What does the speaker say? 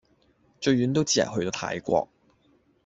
最遠都只係去到泰國